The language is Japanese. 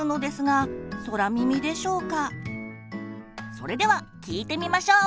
それでは聞いてみましょう！